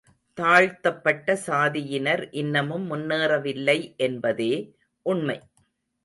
தாழ்த்தப்பட்ட சாதியினர் இன்னமும் முன்னேறவில்லை என்பதே உண்மை.